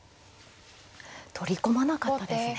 取り込まなかったですね。